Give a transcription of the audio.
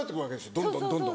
どんどんどんどん。